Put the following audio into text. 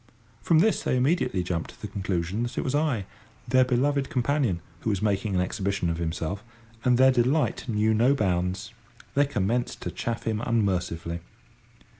From this they immediately jumped to the conclusion that it was I, their beloved companion, who was making an exhibition of himself, and their delight knew no bounds. They commenced to chaff him unmercifully.